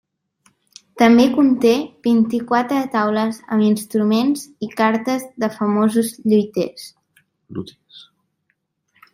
També conté vint-i-quatre taules amb instruments i cartes de famosos lutiers.